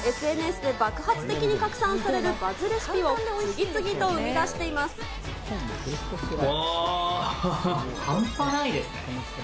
ＳＮＳで爆発的に拡散されるバズレシピを、次々と生み出していまうぉぉほっほ。